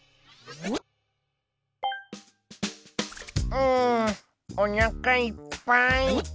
うんおなかいっぱい。